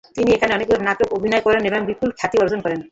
তিনি এখানে অনেকগুলো নাটকে অভিনয় করেন এবং বিপুল খ্যাতি অর্জন করেন।